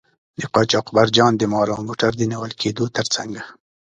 د قاچاقبرجان د مال او موټر د نیول کیدو تر څنګه.